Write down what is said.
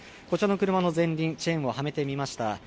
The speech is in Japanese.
こちらの車の前輪、チェーンをはめてみました。